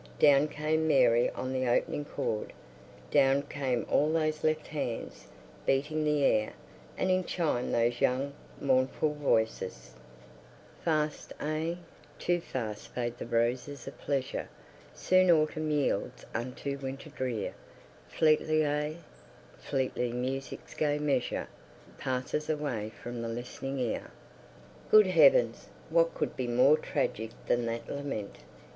Down came Mary on the opening chord; down came all those left hands, beating the air, and in chimed those young, mournful voices:— Fast! Ah, too Fast Fade the Ro o ses of Pleasure; Soon Autumn yields unto Wi i nter Drear. Fleetly! Ah, Fleetly Mu u sic's Gay Measure Passes away from the Listening Ear. Good Heavens, what could be more tragic than that lament!